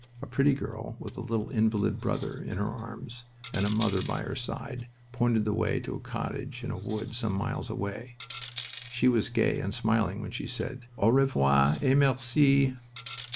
A pretty girl, with a little invalid brother in her arms, and a mother by her side, pointed the way to a cottage in a wood some miles away. She was gay and smiling when she said, "Au revoir et merci!"